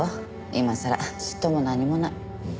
今さら嫉妬も何もない。